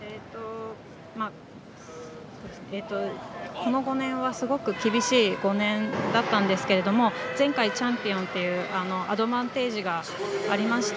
この５年はすごく厳しい５年だったんですが前回チャンピオンというアドバンテージがありました。